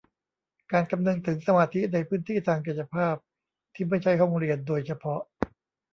การคำนึงถึงสมาธิในพื้นที่ทางกายภาพที่ไม่ใช่ห้องเรียนโดยเฉพาะ